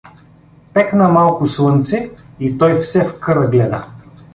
Пекна малко слънце и той все в къра гледа.